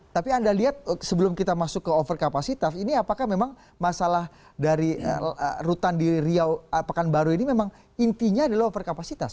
tapi anda lihat sebelum kita masuk ke over kapasitas ini apakah memang masalah dari rutan di riau pekanbaru ini memang intinya adalah over kapasitas